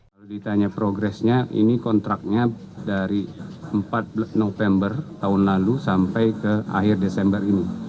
kalau ditanya progresnya ini kontraknya dari empat november tahun lalu sampai ke akhir desember ini